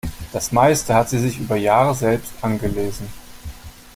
Das meiste hat sie sich über Jahre selbst angelesen.